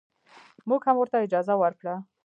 موږ هم ورته اجازه ورکړه.